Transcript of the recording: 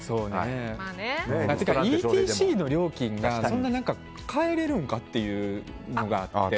てかＥＴＣの料金が変えれるんかっていうのがあって。